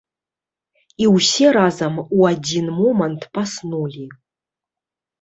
І ўсе разам у адзін момант паснулі.